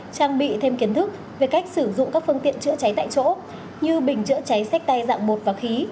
trang bị thêm kiến thức về cách sử dụng các phương tiện chữa cháy tại chỗ như bình chữa cháy sách tay dạng bột và khí